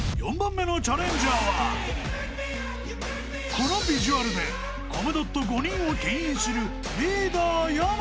［このビジュアルでコムドット５人をけん引する］